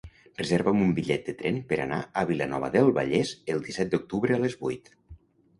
Reserva'm un bitllet de tren per anar a Vilanova del Vallès el disset d'octubre a les vuit.